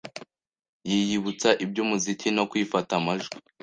yiyibutsa iby’umuziki no kwifata amajwi